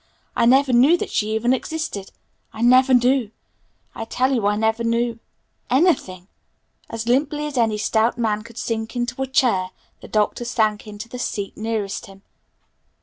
I never knew that she even existed! I never knew! I tell you I never knew anything!" As limply as any stout man could sink into a chair, the Doctor sank into the seat nearest him.